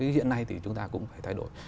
hiện nay thì chúng ta cũng phải thay đổi